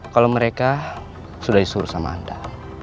kalau mereka sudah disuruh sama anda